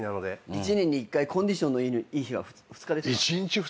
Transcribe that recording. １年に１回コンディションのいい日は２日ですか？